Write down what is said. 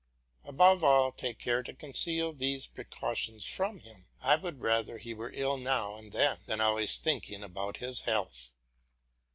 Above all, take care to conceal these precautions from him. I would rather he were ill now and then, than always thinking about his health.